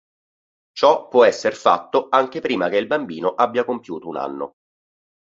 Ciò può esser fatto anche prima che il bambino abbia compiuto un anno.